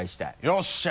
よっしゃ！